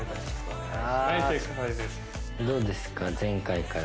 どうですか？